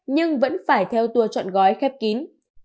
nhưng vẫn phải theo tour chọn gói khép kín